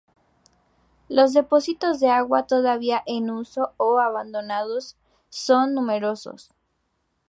Los depósitos de agua todavía en uso o abandonados, son numerosos.